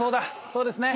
そうですね。